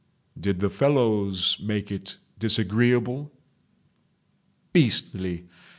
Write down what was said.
"Did the fellows—make it disagreeable?" "Beastly